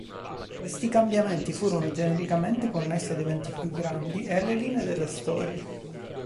Questi cambiamenti furono genericamente connessi ad eventi più grandi e alle linee delle storie.